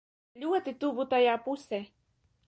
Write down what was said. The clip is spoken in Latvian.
Ļoti tuvu tajā pusē.